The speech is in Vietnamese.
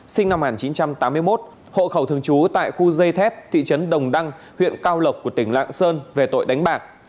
sinh năm một nghìn chín trăm tám mươi một hộ khẩu thường trú tại khu dây thép thị trấn đồng đăng huyện cao lộc của tỉnh lạng sơn về tội đánh bạc